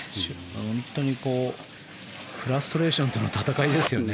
本当にフラストレーションとの戦いですよね。